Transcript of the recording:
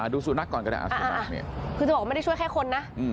ดูสูตรนักก่อนก็ได้คือจะบอกว่าไม่ได้ช่วยแค่คนนะ